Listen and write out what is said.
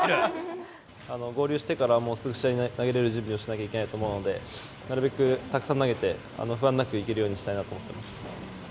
合流してからもうすぐに試合投げられる準備をしなければいけないので、なるべくたくさん投げて、不安なくいけるようにしたいと思ってます。